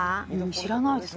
知らないです